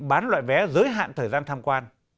bán loại vé giới hạn thời gian tham quan